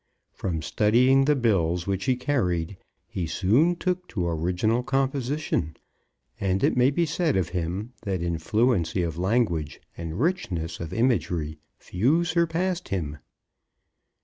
From studying the bills which he carried, he soon took to original composition; and it may be said of him, that in fluency of language and richness of imagery few surpassed him.